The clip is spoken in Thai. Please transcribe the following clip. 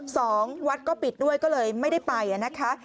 สองวัดก็ปิดด้วยก็เลยไม่ได้ไปอ่ะนะคะ